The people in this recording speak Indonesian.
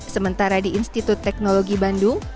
sementara di institut teknologi bandung